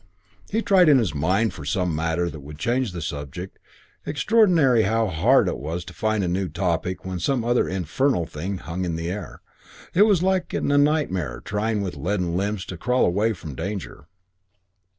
He tried in his mind for some matter that would change the subject. Extraordinary how hard it was to find a new topic when some other infernal thing hung in the air. It was like, in a nightmare, trying with leaden limbs to crawl away from danger.